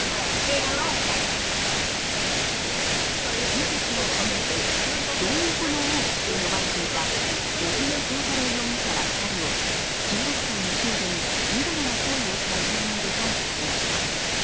警察は今月、ドン横の王と呼ばれていた尾島壮太郎容疑者ら２人を１６歳の少女にみだらな行為をした疑いで逮捕しました。